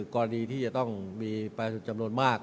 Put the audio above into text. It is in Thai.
กรณีที่จะต้องมีแปลสุดจำนวนมาก